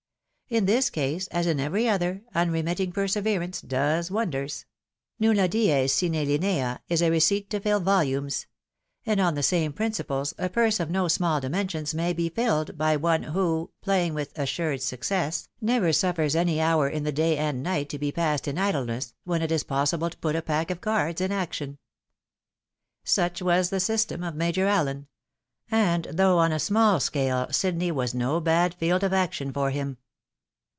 In this case, as in every other, unremitting perseverance does wonders. Nulla dies sine linea is a receipt to fill volumes ; and on the same principles, a purse of no small dimensions may be filled, by one who, playing with assured success, never suffers any hour in the day and night to be passed in idleness, when it is possible to put a pack of cards in action. Such was the system of Major Allen ; and, though on a small scale, Sydney was no bad field of action for him.